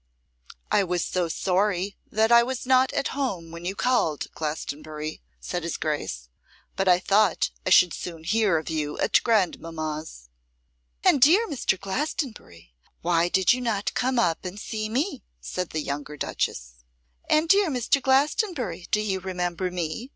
'I was so sorry that I was not at home when you called, Glastonbury,' said his Grace; 'but I thought I should soon hear of you at grandmamma's.' 'And, dear Mr. Glastonbury, why did you not come up and see me?' said the younger duchess. 'And, dear Mr. Glastonbury, do you remember me?